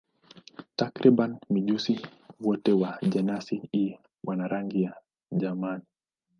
Takriban mijusi wote wa jenasi hii wana rangi ya majani.